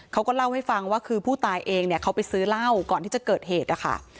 เขาก็เล่าให้ฟังว่าคือผู้ตายเองเนี่ยเขาไปซื้อเหล้าก่อนที่จะเกิดเหตุนะคะ